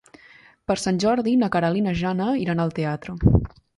Per Sant Jordi na Queralt i na Jana iran al teatre.